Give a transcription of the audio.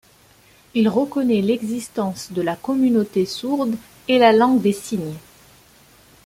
Il reconnaît l'existence de la Communauté sourde et la langue des signes.